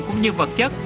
cũng như vật chất